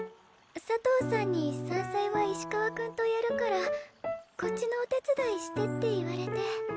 佐藤さんに山菜は石川君とやるからこっちのお手伝いしてって言われて。